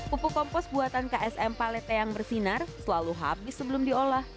pupuk kompos buatan ksm palete yang bersinar selalu habis sebelum diolah